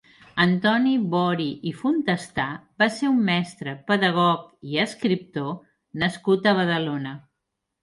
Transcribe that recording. Antoni Bori i Fontestà va ser un mestre, pedagog i escriptor nascut a Badalona.